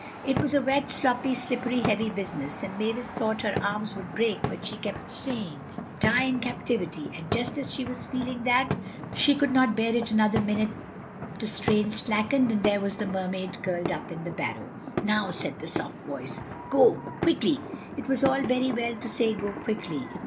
It was a wet, sloppy, slippery, heavy business, and Mavis thought her arms would break, but she kept saying: "Die in captivity," and just as she was feeling that she could not bear it another minute the strain slackened and there was the Mermaid curled up in the barrow. "Now," said the soft voice, "go—quickly." It was all very well to say go quickly.